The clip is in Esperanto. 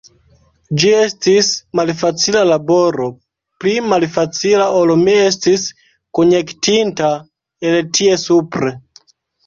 Ĝi estis malfacila laboro, pli malfacila ol mi estis konjektinta el tie supre.